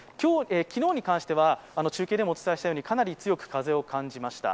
昨日に関しては中継でもお伝えしたようにかなり強く風を感じました。